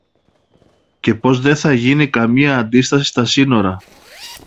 και πως δε θα γίνει καμιά αντίσταση στα σύνορα.